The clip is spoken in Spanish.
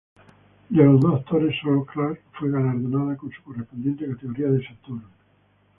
De los dos actores sólo Clark fue galardonada con su correspondiente categoría de Saturn.